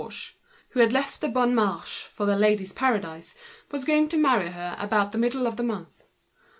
In fact, Baugé, who had left the Bon Marché for The Ladies' Paradise, was going to marry her about the middle of the month.